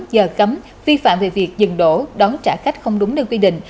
giờ cấm vi phạm về việc dừng đổ đón trả khách không đúng nơi quy định